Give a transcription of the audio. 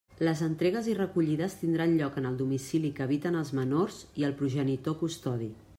Les entregues i recollides tindran lloc en el domicili que habiten els menors i el progenitor custodi.